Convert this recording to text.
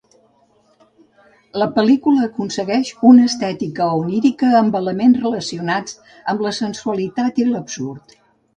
La pel·lícula aconsegueix una estètica onírica amb elements relacionats amb la sensualitat i l'absurd.